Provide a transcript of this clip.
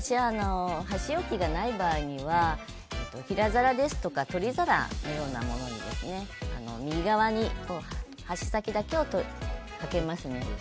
箸置きがない場合には取り皿のようなものに右側に箸先だけをかけますね。